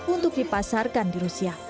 untuk dipasarkan di rusia